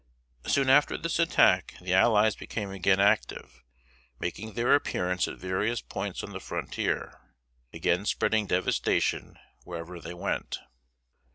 Soon after this attack the allies became again active, making their appearance at various points on the frontier, again spreading devastation wherever they went.